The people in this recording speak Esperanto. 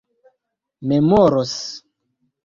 memoros